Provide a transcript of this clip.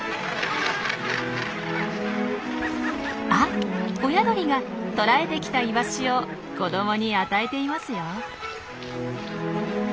あ親鳥が捕らえてきたイワシを子どもに与えていますよ。